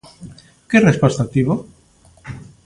Que resposta tivo?